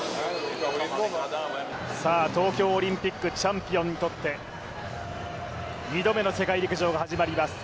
東京オリンピックチャンピオンにとって、２度目の世界陸上が始まります。